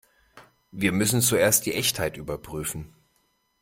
Wir müssen zuerst die Echtheit überprüfen.